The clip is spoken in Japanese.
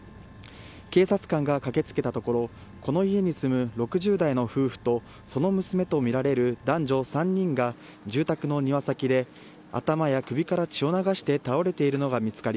警察官が駆けつけたところこの家に住む６０代の夫婦とその娘とみられる男女３人が住宅の庭先で頭や首から血を流して倒れているのが見つかり